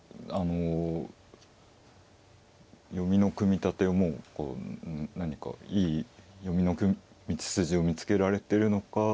あの読みの組み立ても何かいい読みの道筋を見つけられてるのか。